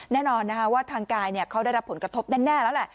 แน่นอนนะคะว่าทางกายเขาได้รับผลกระทบแน่แล้วแหละ